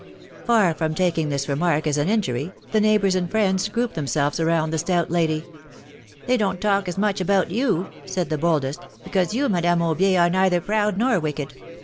Far from taking this remark as an injury, the neighbors and friends grouped themselves around the stout lady. ^^They don't talk as much about you," said the boldest, because you, Madame Aubier, are neither proud nor wicked.